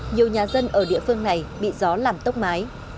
nhiều nhà dân ở địa phương này bị gió làm tốc mái